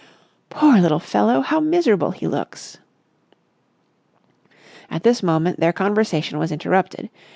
"Poor little fellow, how miserable he looks!" At this moment their conversation was interrupted.